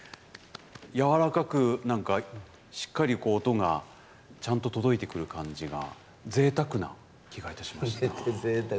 やわらかくなんかしっかり音がちゃんと届いてくる感じがぜいたくな。